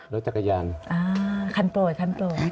รถจักรยานคันโปะ